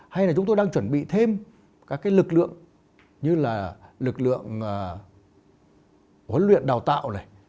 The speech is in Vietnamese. hay là chúng tôi đang chuẩn bị thêm các lực lượng như là lực lượng huấn luyện đào tạo này